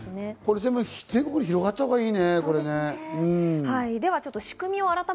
全国に広がったほうがいいね。